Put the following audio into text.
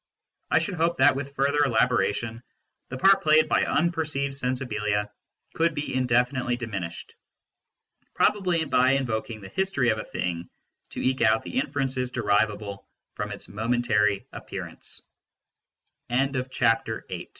1 should hope that, with further elaboration, the part played by unper ceived " sensibib a " could be indefinitely diminished, probably by invoking the history of a " thing " to eke out the inferences derivable from its momen